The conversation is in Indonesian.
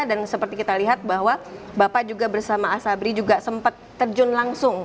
dan seperti kita lihat bahwa bapak juga bersama asabri juga sempat terjun langsung